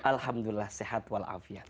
alhamdulillah sehat walafiat